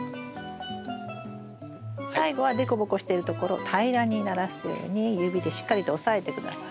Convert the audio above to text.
最後は凸凹してるところを平らにならすように指でしっかりと押さえて下さい。